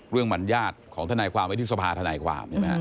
เรื่องหมัญญาตของธนายความไว้ที่สภาธนายความ